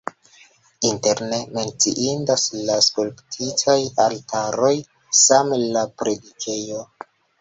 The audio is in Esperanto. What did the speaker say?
Interne menciindas la skulptitaj altaroj, same la predikejo.